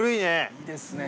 いいですね。